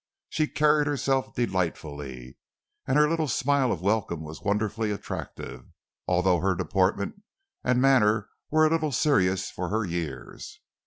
She carried herself delightfully and her little smile of welcome was wonderfully attractive, although her deportment and manner were a little serious for her years.